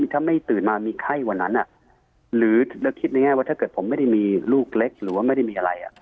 ถ้าไม่ตื่นมามีไข้วันนั้นหรือเราคิดในแง่ว่าถ้าเกิดผมไม่ได้มีลูกเล็กหรือว่าไม่ได้มีอะไร